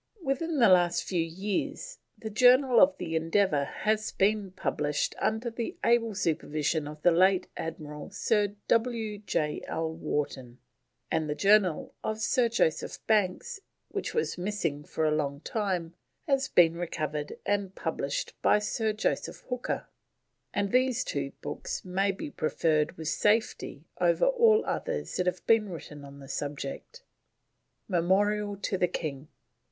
Within the last few years the Journal of the Endeavour has been published under the able supervision of the late Admiral Sir W.J.L. Wharton, and the Journal of Sir Joseph Banks, which was missing for a long time, has been recovered and published by Sir Joseph Hooker; and these two books may be preferred with safety over all others that have been written on the subject. MEMORIAL TO THE KING.